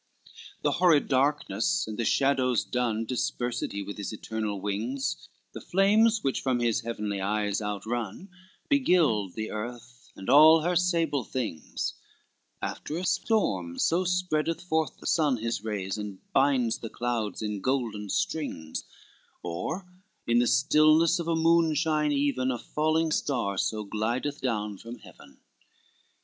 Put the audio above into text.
LXII The horrid darkness, and the shadows dun Dispersed he with his eternal wings, The flames which from his heavenly eyes outrun Beguiled the earth and all her sable things; After a storm so spreadeth forth the sun His rays and binds the clouds in golden strings, Or in the stillness of a moonshine even A falling star so glideth down from Heaven.